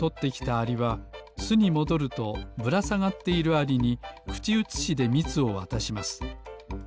アリはすにもどるとぶらさがっているアリにくちうつしでみつをわたします。